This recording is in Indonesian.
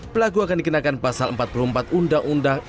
pelaku akan dikenakan pasal empat puluh empat undang undang